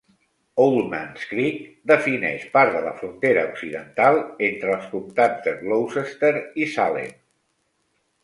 Oldmans Creek defineix part de la frontera occidental entre els comtats de Gloucester i Salem.